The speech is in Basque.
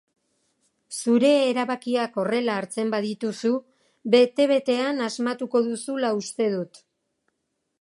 Zure erabakiak horrela hartzen badituzu, bete betean asmatuko duzula uste dut.